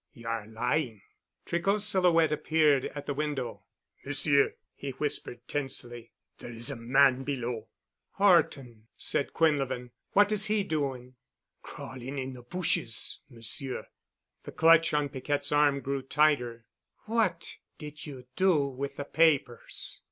"You are lying." Tricot's silhouette appeared at the window. "Monsieur," he whispered tensely, "there's a man—below." "Horton!" said Quinlevin. "What is he doing?" "Crawling in the bushes, Monsieur." The clutch on Piquette's arm grew tighter. "What did you do with the papers?"